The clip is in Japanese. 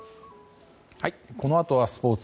このあとはスポーツ。